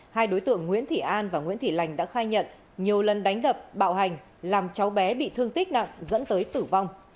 hai đối tượng nguyễn thị an và nguyễn thị lành đã khai nhận nhiều lần đánh đập bạo hành làm cháu bé bị thương tích nặng dẫn tới tử vong